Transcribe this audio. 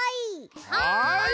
はい！